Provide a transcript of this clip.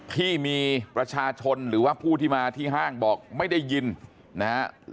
ที่มีประชาชนหรือว่าผู้ที่มาที่ห้างบอกไม่ได้ยินนะฮะ